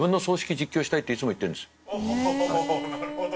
おなるほど。